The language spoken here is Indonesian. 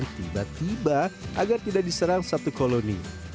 tiba tiba agar tidak diserang satu koloni